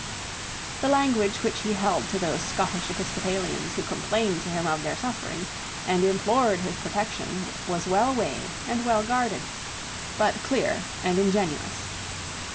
The language which he held to those Scottish Episcopalians who complained to him of their sufferings and implored his protection was well weighed and well guarded, but clear and ingenuous.